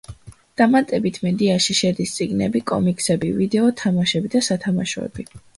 დამატებით მედიაში შედის წიგნები, კომიქსები, ვიდეო თამაშები და სათამაშოები.